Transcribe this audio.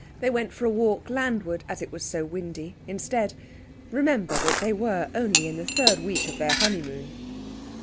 They went for a walk landward; as it was so windy, instead remember that they were only in the third week of their honeymoon!